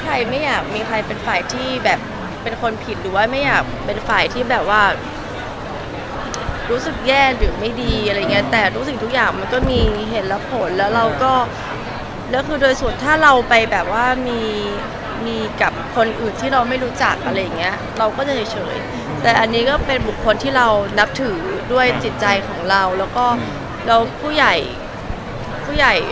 ใครไม่อยากมีใครเป็นฝ่ายที่แบบเป็นคนผิดหรือว่าไม่อยากเป็นฝ่ายที่แบบว่ารู้สึกแย่หรือไม่ดีอะไรอย่างเงี้ยแต่ทุกสิ่งทุกอย่างมันก็มีเหตุและผลแล้วเราก็แล้วคือโดยสุดถ้าเราไปแบบว่ามีมีกับคนอื่นที่เราไม่รู้จักอะไรอย่างเงี้ยเราก็จะเฉยแต่อันนี้ก็เป็นบุคคลที่เรานับถือด้วยจิตใจของเราแล้วก็เราผู้ใหญ่ผู้ใหญ่